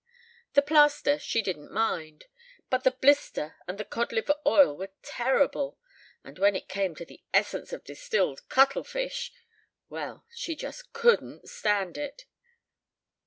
The plaster she didn't mind, but the blister and the cod liver oil were terrible; and when it came to the essence of distilled cuttlefish well, she just couldn't stand it!